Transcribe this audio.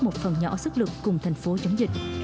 một phần nhỏ sức lực cùng thành phố chống dịch